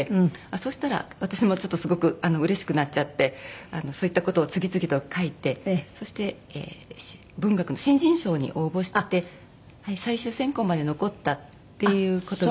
そしたら私もちょっとすごくうれしくなっちゃってそういった事を次々と書いてそして文学の新人賞に応募して最終選考まで残ったっていう事が。